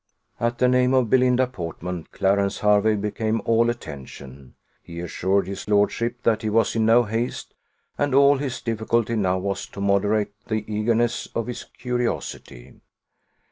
At the name of Belinda Portman, Clarence Hervey became all attention: he assured his lordship that he was in no haste; and all his difficulty now was to moderate the eagerness of his curiosity.